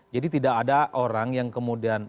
jadi tidak ada orang yang kemudian